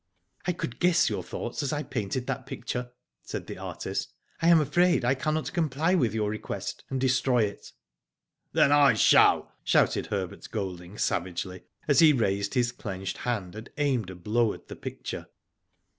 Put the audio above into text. I could guess your thoughts as I painted that picture," said the artist. " I am afraid I cannot comply with your request, and destroy it." Then I shall," shouted Herbert Golding, savagely, as he raised his clenched hand and aimed a blow at the picture.